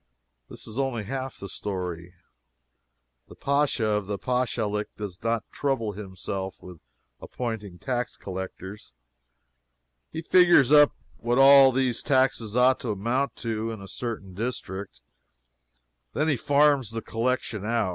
This is only half the story. The Pacha of a Pachalic does not trouble himself with appointing tax collectors. He figures up what all these taxes ought to amount to in a certain district. Then he farms the collection out.